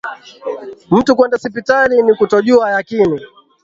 Mtu kwenda sipitali, ni kutojuwa yakini.